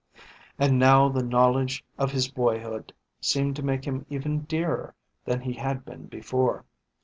And now the knowledge of his boyhood seemed to make him even dearer than he had been before.